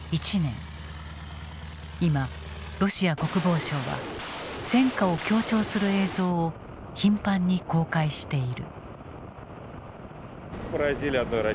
今ロシア国防省は戦果を強調する映像を頻繁に公開している。